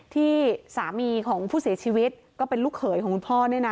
ที่สามีของผู้เสียชีวิตก็เป็นลูกเขยของคุณพ่อเนี่ยนะ